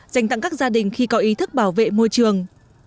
dành tặng các gia đình khi có ý thức bảo vệ môi trường